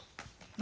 何？